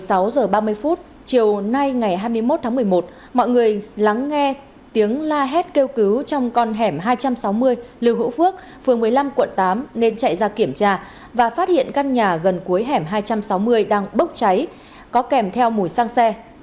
theo người dân khu vực khoảng một mươi sáu h ba mươi chiều nay ngày hai mươi một tháng một mươi một mọi người lắng nghe tiếng la hét kêu cứu trong con hẻm hai trăm sáu mươi lưu hữu phước phường một mươi năm quận tám nên chạy ra kiểm tra và phát hiện căn nhà gần cuối hẻm hai trăm sáu mươi đang bốc cháy có kèm theo mùi sang xe